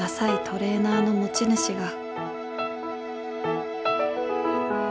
トレーナーの持ち主が」。